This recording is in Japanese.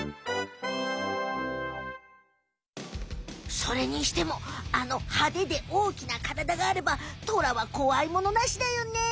それにしてもあの派手でおおきなからだがあればトラは怖いものなしだよね！